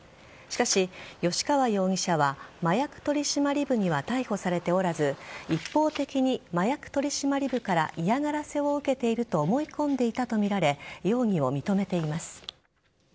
しかし、吉川容疑者は麻薬取締部には逮捕されておらず一方的に麻薬取締部から嫌がらせを受けていると思い込んでいたとみられ容疑を認めています。